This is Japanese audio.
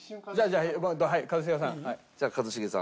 じゃあ一茂さん。